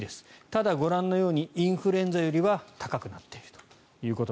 ただ、ご覧のようにインフルエンザよりは高くなっていると。